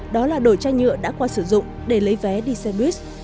đó là đổi chai nhựa đã qua sử dụng để lấy vé đi xe buýt